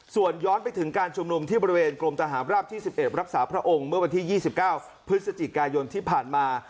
ส่วนย้อนไปถึงการชุมนุมที่บริเวณกรมทหารราบที่๑๑รักษาพระองค์เมื่อวันที่๒๙พฤศจิกายนที่ผ่านมา